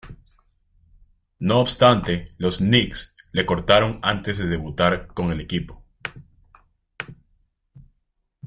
No obstante, los Knicks le cortaron antes de debutar con el equipo.